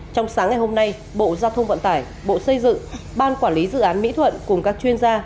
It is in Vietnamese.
trong sáng ngày hôm nay bộ giao thông vận tải bộ xây dựng ban quản lý dự án mỹ thuận cùng các chuyên gia